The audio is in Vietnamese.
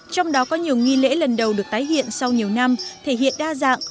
trong đó có nhiều nghi lễ lần đầu được tái hiện sau nhiều năm thể hiện đa dạng